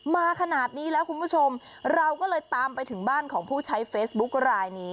มาขนาดนี้แล้วคุณผู้ชมเราก็เลยตามไปถึงบ้านของผู้ใช้เฟซบุ๊คลายนี้